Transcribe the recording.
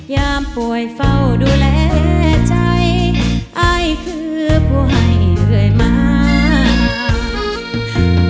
ยามป่วยเฝ้าดูแลใจอายคือผู้ให้เรื่อยมา